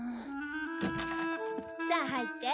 さあ入って。